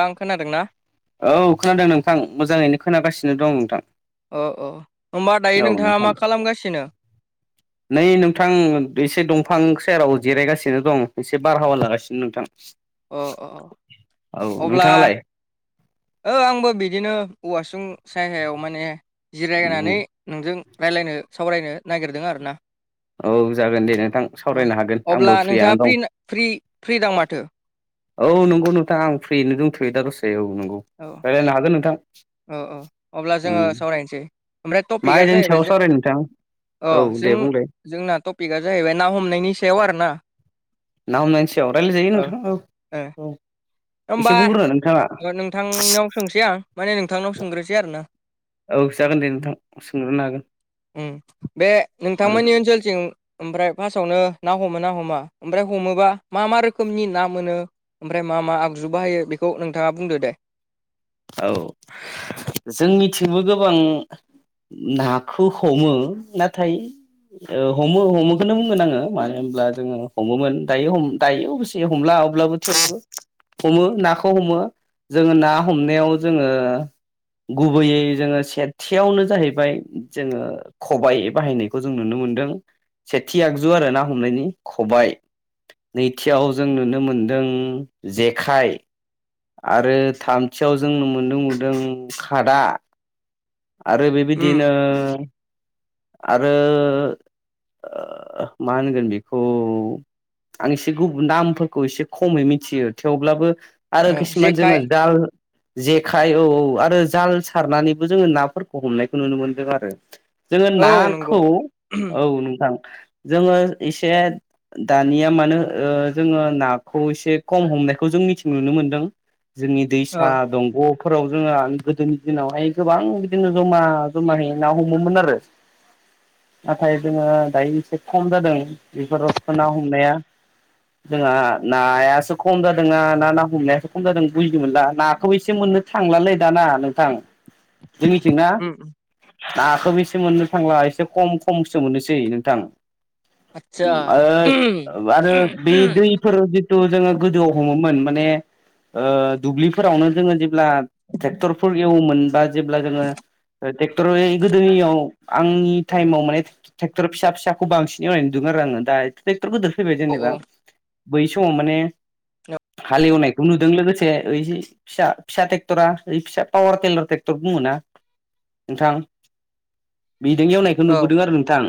नोंथाङा खोनादों ना औ खोनादों नोंथां मोजाङैनो खोनागासिनो दं नोंथां अ अ होमबा दायो औ नोंथाङा नोंथां मा खालामगासिनो नै नोंथां एसे दंफां सेराव जिरायगासिनो दं एसे बारहावा लागासिनो नोंथां अ अ औ अब्ला नोंथाङालाय ओ आंबो बिदिनो औवासुं सायहायाव माने जिरायनानै उम नोंजों रायज्लायनो सावरायनो नागिरदों आरो ना औ जागोन दे नोंथां अ सावरायनो हागोन आंबो अब्ला फ्रियानो नोंथाङा दं फ्रि फ्रि फ्रि दां माथो औ नंगौ नोंथां आं फ्रियैनो दंथ'यो दा दसे औ नंगौ औ रायलायनो हागोन नोंथां औ औ अब्ला उम जोङो सावरायनोसै ओमफ्राय मा टपिकआ आयदानि सायाव जाहैबाय जों सावरायनो नोंथां अ औ दे जों बुंलाय जोंना टपिका जाहैबाय ना हमनायनि सायाव आरो ना ना हमनायनि सायाव रायलायजायो ओ नोंथां औ ओ औ एसे होमबा बुंग्रोनो नोंथाङा नोंथांनाव सोंसै आं माने नोंथांनाव सोंग्रोनोसै आरो ना औ जागोन दे नोंथां सोंग्रोनो हागोन बे नोंथांमोननि ओनसोलथिं ओमफ्राय फार्स्टावनो ना हमो ना हमा ओमफ्राय हमोबा मा मा रोखोमनि ना मोनो ओमफ्राय मा मा आगजु बाहायो बेखौ नोंथाङा बुंदो दे औ जोंनिथिंबो गोबां नाखौ हमो नाथाय हमो हमोखौनो बुंगोन आङो मानो होनोमब्ला जोङो हमोमोन दायो दायो अबसे हमला अब्लाबो हमो नाखौ हमो जोङो ना हमनायाव जोङो गुबैयै जोङो सेथियावनो जाहैबाय जोङो खबाइ बाहायनायखौ जों नुनो मोनदों सेथि आगजु आरो ना हमनायनि खबाइ नैथियाव जों नुनो मोनदों जेखाइ आरो थामथियाव जोंनो मोन्दों नुदों खादा आरो उम बेबायदिनो आरो मा होनगोन बेखौ आं एसे गुबुन नामफोरखौ एसे खमै मिथियो थेवब्लाबो आरो ओ खिसुमान जेखाइ जोङो दाल जेखाइ औ औ आरो जाल सारनानैबो जोङो नाफोरखौ हमनायखौ नुनो मोनदों आरो जोङो औ नंगौ नाखौ औ नोंथां जोङो एसे दानिया मानो ओ जोङो नाखौ एसे खम हमनायखौ जों मिथिं नुनो मोनदों जोंनि ओ दैसा दंग' फोराव जोङो गोदोनि दिनावहाय गोबां बिदिनो जमा जमा हैै ना हमोमोन आरो [inaudible] नाथाय जोङो दायो एसे खम जादों बेफोर ना हमनाया जोंहा नायासो खम जादोंना ना ना हमनायासो खम जादों बुजिदों मोनला नाखौ एसे मोननो थांलालै दाना नोंथां जोंनिथिंना उम उम नाखौ मि एसे मोननो थांला एसे खम खमसो मोनोसै नोंथां आतसा आरो बे दैफोराव तु जोङो गोदोआव हमोमोन माने ओ दुब्लिफोरावनो जोङो जेब्ला ट्रेक्टरफोर एवोमोनबा जेब्ला जोङो ट्रेक्टरै गोदोनियाव आंनि टाइमाव माने ट्रेक्टर फिसा फिसाखौ बांसिन एवयनाय नुदों आरो आङो दा ट्रेक्टर गोदोर फैबाय औ जेनेबा बै समाव माने हालेवनायखौ नुदों लोगोसे ओ फिसा फिसा ट्रेक्टरा ऐ पावार टेलार ट्रेक्टर बुङोना नोंथां बिदों एवनायखौ औ नुबोदों आरो नोंथां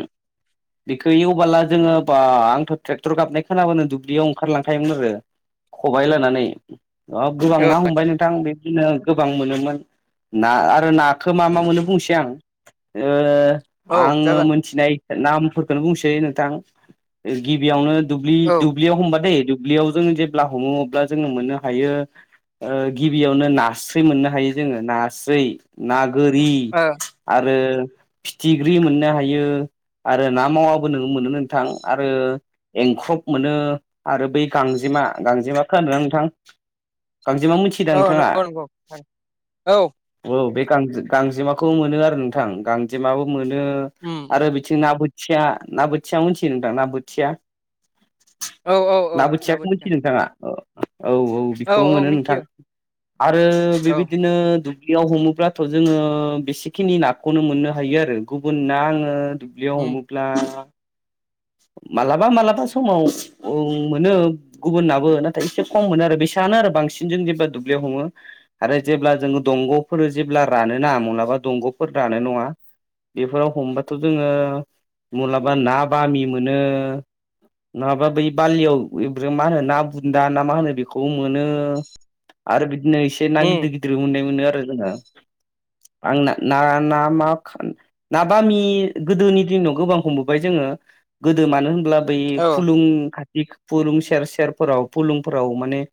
बेखौ एवबोला जोङो बा आंथ ट्रेक्टर गाबनाय खोनाबानो दुब्लियाव ओंखारलांखायोमोन आरो खबाइ लानानै गोबां ना हमबाय आतसा नोंथां बे बिदिनो गोबां मोनोमोन ना आरो नाखौ मा मा मोनो बुंसै आं ओ औ आङो जागोन मोनथिनाय नामफोरखौनो बुंसै नोंथां गिबियावनो दुब्लि औ दुब्लियाव हमबादै दुब्लियाव जों जेब्ला हमो अब्ला जोङो मोननो हायो ओ गिबियावनो नास्रै मोननो हायो जोङो नास्रै ना गोरि [unintelligible] आरो फिथिख्रि मोननो हायो आरो ना मावाबो नों मोनो नोंथां आरो एंख्रब मोनो आरो बै गांजेमा गांजेमाखौ खोनादोंना नोंथां गांजेमा मिथिदा औ नोंथाङा नंगौ नंगौ औ औ बे गांजेमाखौ मोनो आरो नोंथां गांजेमाबो मोनो उम आरो उम ना बोथिया ना बोथिया मिनथियो नोंथां ना बोथिया औ औ औ ना बोथियाखौ बोथिया मिथियो नोंथाङा औ औ बिखौबो औ मोनो नोंथां मिथियो आरो औ बेबायदिनो दु ब्लियाव हमोब्लाथ जोङो बेसेखिनि नाखौनो मोननो हायो आरो गुबुन ना आङो ब्लियाव उम हमोब्ला मालाबा मालाबा समाव मोनो गुबुन नाबो नाथाय एसे खम मोनो आरो बेसेङानो आरो बांसिनजों जेब्ला दुब्लियाव हमो आरो जेब्ला जोङो दंगफोर जेब्ला रानो ना मलाबा दंगफोर रानो नङा बेफोराव हमबाथ जोङो मलाबा ना बामि मोनो नङाबा बै बालियाव मा होनो ना बुन्दा ना मा होनो बेखौ मोनो आरो बिदिनो एसे ना उम गिदिर गिदिर मोननाय मोनो आरो जोङो आंना ना नामाखान ना बामि गोदोनि दिनाव गोबां हमबोबाय जोङो गोदो मानो होनब्ला बै औ फुलुं खाथि फुलुं सेर सेरफोराव फुलुंफोराव माने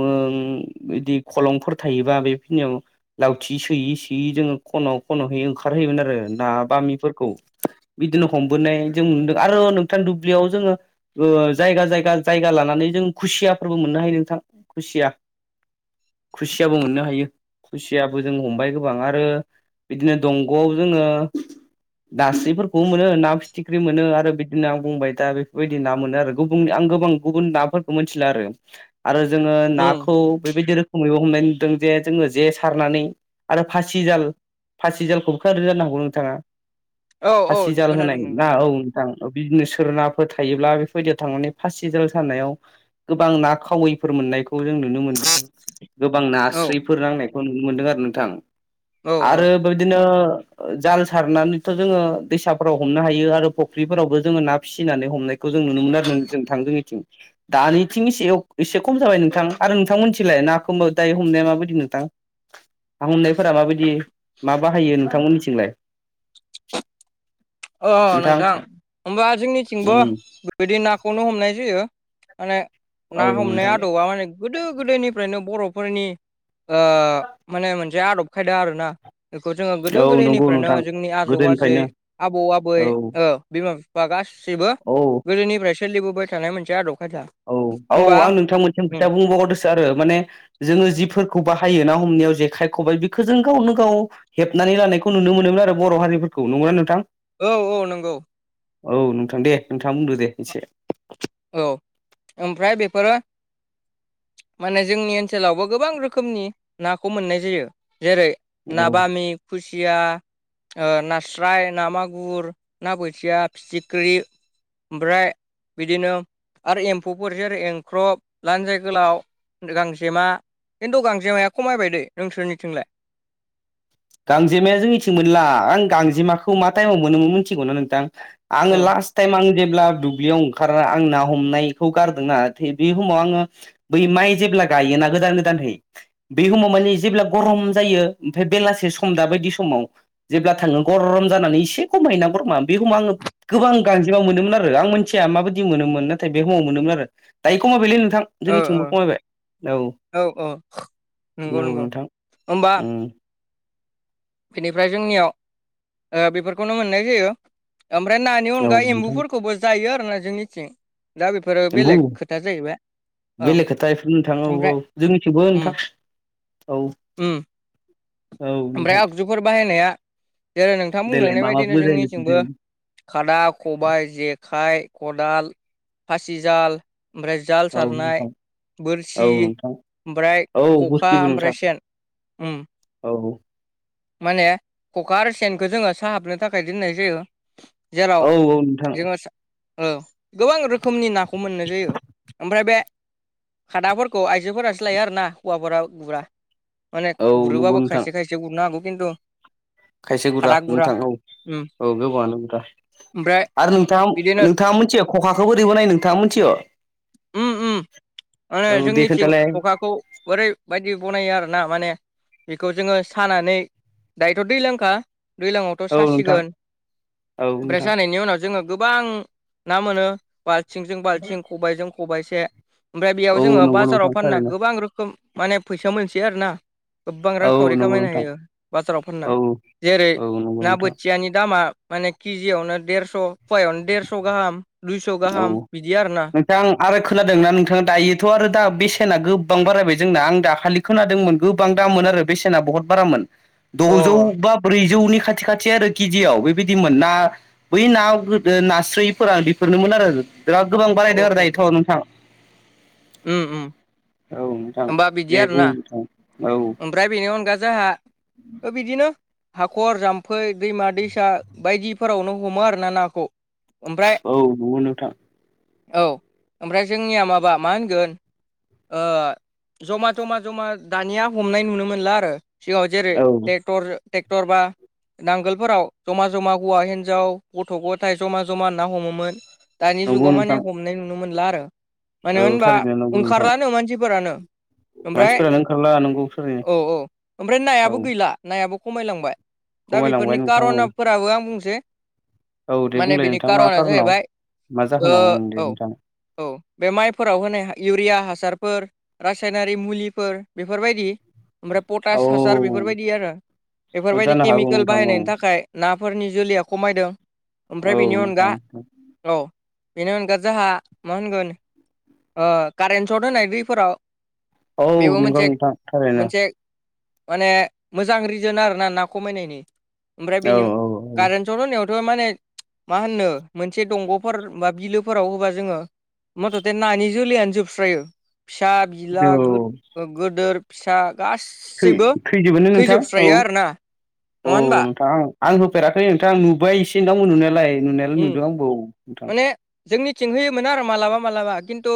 ओं बिदि खलंफोर थायोबा बेखिनियाव लावथि सोयै सोयै जोङो खन खनहै ओंखारहयोमोन आरो ना बामिफोरखौ बिदिनो हमबोनाय जों नुदों आरो नोंथां दुब्लियाव जोङो ओ जायगा जायगा जायगा लानानै जों खुसियाफोरबो मोननो हायो नोंथां खुसिया खुसियाबो मोननो हायो खुसियाबो जों हमबाय गोबां आरो बिदिनो दंगआव जोङो नास्रिफोरखौ मोनो ना फि थिख्रि मोनो आरो बिदिनो आं बुंबाय दा बेफोरबायदि ना मोनो आरो गुबुननि आं गोबां गुबुन नाफोरखौ मोनथिला आरो आरो जोङो उम नाखौ बेबायदि रो खोमैबो हमनाय नुदों जे जोङो जे सारनानै आरो फासिजाल फासि जालखौबो खोनखदों जखनो हांगौ नोंथाङा औ औ फासिजाल खोनादों होनाय ना नोंथां औ नोंथां बिदिनो सोरनाफोर थायोब्ला बेफोरबायदियाव थांनानै फासि जाल सारानायाव गोबां ना खावैफोर मोननाय खौबो जों नुनो मोनदों गोबां औ नास्रोयफोर नांनायखौ नुनो मोनदों आरो नोंथां औ आरो औ बेदिनो जाल सारनानैथ जोङो दैसाफोराव हम हमनो हायो आरो फुख्रिफोरावबो जोङो ना फिसिनानै हमनायखौ जों नुनो मोनो आरो नों जों थां जोंनिथिं दानिथिं एसे एसे खम जाबाय नोंथां आरो नोंथां मोनथिलाय नाखौ मो दायो हमनाया माबायदि नोंथां आं हमनायफोरा माबायदि मा बाहायो नोंथांमोननिथिंलाय अ नोंथां होमबा जोंनिथिंबो उम बिदि नाखौनो हमनाय जायो माने औ ना हमनाय नोंथां आदबा माने गोदो गोदायनिफ्रायनो बर'फोरनि ओ माने मोनसे आदब खायदा आरोना बेखौ जोङो गोदो औ नंगौ गोदायनिफ्रायनो नोंथां जोंनि आजौ आजै गोदोनिफ्रायनो आबौ आबै औ ओ बिमा बिफा गासैबो औ गोदोनिफ्राय सोलिबोबाय थानाय मोनसे आदब खायदा औ औ होमबा आं नोंथां मोनसे खोथा बुंबावगावदोसो आरो माने जोङो जिफोरखौ बाहायो ना हमनायाव जेखाइ खबाइ बेखौ जों गावनो गाव हेबनानै लानायखौ नुनो मोनोमोन आरो बर' हारिफोरखौ नंगौना नोंथां औ औ नंगौ औ नोंथां दे नोंथाङा बुंदो दे एसे औ ओमफ्राय बेफोरो माने जोंनि ओनसोलावबो गोबां रोखोमनि नाखौ मोननाय जायो जेरै ना औ बामि खुसिया ओ नास्राय ना मागुर ना बोथिया फिथिख्रि ओमफ्राय बिदिनो आरो एम्फौफोर जेरै एंख्रब लान्जाय गोलाव गांजेमा खिन्थु गांजेमाया खमायबायदो नोंसोरनिथिंलाय गांजेमाया जोंनिथिं मोनला आं गांजेमाखौ मा टाइमाव मोनोमोन मिथिगौना नोंथां आङो औ लास्ट टाइम आं जेब्ला दुब्लियाव ओंखारना आं ना हमनायखौ गारदोंना बे हमाव आङो बै माइ जेब्ला गायोना गोदान गोदानहै बै हमाव माने जेब्ला गरम जायो ओमफ्राय बेलासे सम दा बायदि समाव जेब्ला थाङो गरम जानानै एसे खमायोना गरमा बे खमाव आङो गोबां गांजेमा मोनोमोन आरो आं मोनथिया माबायदि मोनोमोन नाथाय बे हमाव मोनोमोन आरो दायो खमायबायलै नोंथां ओ ओ जोंनिथिंबो खमायबाय औ औ नंगौ नंगौ नोंथां होमबा उम बेनिफ्राय जोंनियाव ओ बेफोरखौनो मोननाय जायो ओमफ्राय नानि औ अनगा नोंथां एम्बुफोरखौबो जायो आरो ना जोंनिथिं दा बे फोरो नंगौ बेलेग खोथा जाहैबाय औ बेलेग खोथा इफोर नोंथां औ औ ओमफ्राय जोंनिथिंबो उम नोंथां औ उम औ ओमफ्राय नोंथां आगजुफोर बाहायनाया जेरै नोंथां देलाय बुंलांनाय मा मा बायदिनो बुजायनो जोंनिथिंबो थिनदों खादा खबाय जेखाइ खदाल फासिजाल ओमफ्राय जाल औ सारनाय नोंथां औ बोरसि नोंथां ओमफ्राय औ खखा गुस्थिबो नोंथां ओमफ्राय सेन उम औ माने खखा आरो सेनखौ जोङो साहाबनो थाखाय दोननाय जायो जेराव औ नोंथां जोङो ओ गोबां रोखोमनि नाखौ मोननाय जायो ओमफ्राय बे खादाफोरखौ आइजोफोरासो लायो आरोना हौवाफोरा गुरा माने औ नंगौ गुरोबाबो नोंथां खायसे खायसे गुरनो हागौ खिनथु खायसे गुरा नोंथां औ उम औ गोबाङानो गुरा ओमफ्राय आरो बिदिनो नोंथां नोंथाङा मोनथियो खखाखौ बोरै बानायो नोंथाङा मोनथियो उम उम माने जोंनिथिं खोन्थालाय खखाखौ ओरैबायदि बनायो आरोना माने बेखौ जोङो सानानै दायोथ दैलांखा दैलाङावथ औ नोंथां सासिगोन औ ओमफ्राय नोंथां सानायनि उनाव जोङो गोबां ना मोनो बाल्थिंजों बाल्थिं खबजों खबाइसे ओमफ्राय बेयाव औ जोङो नंगौ बाजाराव नोंथां फानना थारैनो गोबां रोखोम माने फैसा मोनसै आरोना गोबां रां औ खावरि नंगौ खामायनो नोंथां हायो बाजाराव फानना औ जेरै औ नंगौ ना नोंथां बोथियानि दामा माने केजियावनो देरस फवायावनो देरस गाहाम दुइस गाहाम बिदि आरोना दा आं आरो खोनादोंना नोंथां दायोथ आरो दा बेसेना गोबां बारायबाय जोंना आं दाखालि खोनादोंमोन गोबां दाम आरो बेसेना बहद बाराम अ दजौ बा ब्रैजौनि खाथि खाथि आरो केजियाव बेबायदिमोन ना बै ना गोदो नास्रैफोरा नोमोन आरो गोबां औ बारायदों आरो औ दायोथ नोंथां उम उम औ नोंथां होमबा बिदि दे आरोना बुं नोंथां औ ओमफ्राय बेनि अनगा जाहा बिदिनो हाखर जाम्फै दैमा दैसा बायदिफोरावनो हमो आरोना नाखौ ओमफ्राय औ नंगौ नोंथां औ ओमफ्राय जोंनिया माबा मा होन गोन ओ जमा जमा जमा दानिया हमनाय नुनो मोनला आरो सिगाङाव जेरै औ टेक्टर टेक्टर बा नांगोलफोराव जमा जमा हौवा हिनजाव गथ' गथाय जमा जमा ना हमोमोन दानि नंगौ जुगाव माने नोंथां हमनाय नुनो मोनला आरो मानो औ होनबा थारैनो नंगौ नोंथां ओंखारलानो मानसिफोरानो ओमफ्राय मानसिफोरानो ओंखारला नंगौ थारैनो औ औ ओमफ्राय औ नायाबो गैला नायाबो खमायलांबाय दा खमायलांबाय बेफोरनि नोंथां औ कारनफोराबो आं बुंनोसै औ दे माने बुंलाय बिनि नोंथां मा कारना खार'नाव जाहैबाय मा ओ जाहोनाव दे औ नोंथां औ बे माइफोराव होनाय इउरिया हासारफोर रासायनारि मुलिफोर बेफोरबायदि ओमफ्राय औ पटास हासार बेफोरबायदि आरो बेफोरबायदि जानो हागौ केमिकेल नोंथां औ बाहायनायनि थाखाय नाफोरनि जोलैया खमायदों ओमफ्राय बेनि औ अनगा नोंथां औ बेनि अनगा जाहा मा होनगोन ओ कारेन्ट सट होनाय दैफोराव औ बेबो नंगौ मोनसे नोंथां थारैनो मोनसे माने मोजां रिजोन आरोना ना खमायनायनि ओमफ्राय औ बेनि औ औ कारेन्ट सथ' होनायावथ' माने मा होननो मोनसे दंग'फोर बा बिलो फोराव होबा जोङो मथथे नानि जोलैयनो जोबस्रायो फिसा बिला गो औ ओ गोदोर फिसा गासैबो खै-खैजोबोनो नोंथां औ थैजोबस्रायो आरोना नङा औ होनबा नोंथां आं आं होफेराखै नोंथां नुबाय एसे नोंथांमोन नुनायालाय नुनायालाय उम नुदों आंबो औ नोंथां माने जोंनिथिं होयोमोन आरो मालाबा मालाबा खिन्थु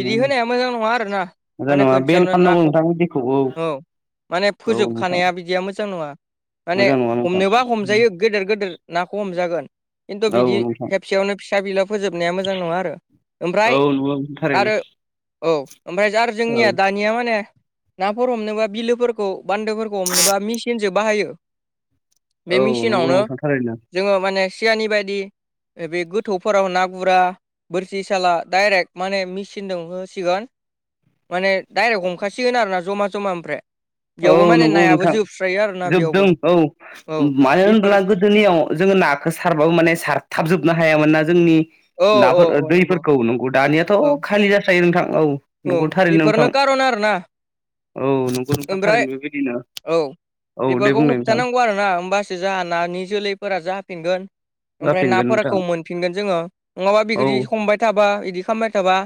बिदि उम होनाया मोजां नङा आरोना मोजां माने नङा बेन खोनसेयावनो खालामनांगौ नाखौ नोंथां बिदिखौ औ माने औ नोंथां फोजोबखानाया बिदिया मोजां नङा माने मोजां नङा नोंथां हमनोबा हमजायो गोदोर गोदोर नाखौ हमजागोन खिन्थु औ बिदि नोंथां खेबसेयावनो फिसा बिला फोजोबनाया मोजां नङा आरो औ ओमफ्राय नंगौ थारैनो आरो औ ओमफ्राय आरो औ जोंनिया दानिया माने नाफोर हमनोबा बिलोफोर खौ बान्दोफोरखौ हमनोबा मेसिनसो बाहायो बे औ नंगौ मेसिनावनो नोंथां थारैनो जोङो माने सियानि बायदि बे गोथौफोराव ना गुरा बोरसिसाला दडाइरेक्ट माने मेसिनजों होसिगोन माने डाइरेक्ट हमखासिगोन आरो ना जमा जमा ओमफ्राय औ बेयावबो माने नंगौ नायाबो नोंथां जोबस्रायो आरोना बेयावबो जोबदों औ औ मानो बेफोर होनब्ला गो दोनियाव जोङो नाखो सारबाबो माने सारथाबजोबनो हायामोन ना जोंनि औ औ नाफोर औ नंगौ दैफोरखौ नंगौ दानियाथ' औ खालि जास्रायो नोंथां औ औ नंगौ थारैनो नोंथां बेफोरनो खारन आरोना औ नंगौ नोंथां ओमफ्राय थारैनो बेबायदिनो औ औ दे बेफोरखौ बुंनाय नोंथां होबथानांगौ आरोना होमबासो जाहा नानि जोलैफोरा जाफिनगोन ओमफ्राय जाफिनगोन नोंथां नाफोरखौ मोनफिनगोन जोङो नङाबा औ बिदि हमबाय थाबा बिदि खालामबाय थाबा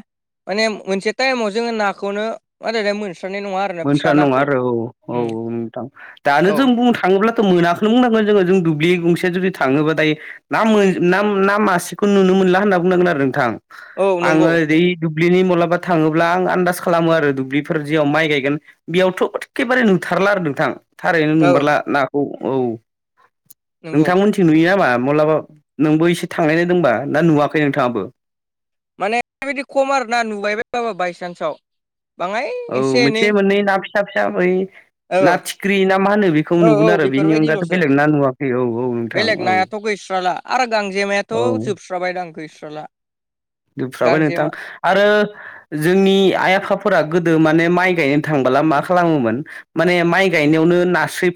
माने मोनसे टाइमाव जोङो नाखौनो [unintelligible] मोनस्रनाय नङा आरो मोनथार नङा आरो औ औ औ नोंथां दानो औ जों बुंनो थाङोब्ला थ' मोनाखखौनो बुंनांगोन जोङो जों दुब्लि गंसे जुदि थाङोबा दायो ना मोन ना ना मासेखौ नुनो मोनला होनना बुंनांगोन आरो नोंथां औ आङो नंगौ ओइ दुब्लिनि मब्लाबा थाङोब्ला आं आन्दास खालामो आरो दुब्लिफोर जियाव माइ गाय गोन बेयावथ' एखेबारे नुथारला आरो नोंथां थारैनो औ नुमारला नाखौ औ नंगौ नोंथांमोनथिं नुयो नामा माब्लाबा नोंबो एसे थांनायनायदोंबा ना नुवाखै नोंथाङाबो माने बिदि खम आरोना नुबायबाय बायबाबो बायसान्सआव बाङाय एसे एनै नै [unintelligible] साब साबै औ ना थिख्रि ना मा होनो बेखौ औ नुगोन औ आरो बेनि अनगाथ' बेफोरबायदिल'सो बेलेग ना नुवाखै औ औ नोंथां बेलेग औ नायाथ' गैस्राला आरो गांजेमायाथ' औ जोबस्राबाय दां गैस्राला फ्राबो गांजेमा नोंथां आरो जोंनि आइ आफाफोरा गोदो माने माइ गायनो थांबोला मा खालामोमोन माने माइ गायनायावनो नास्रोय